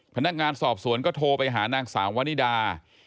พนักงานสอบสวนก็โทรไปหานางสาววนิดา